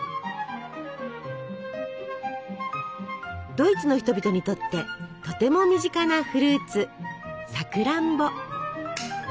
ドイツの人々にとってとても身近なフルーツさくらんぼ。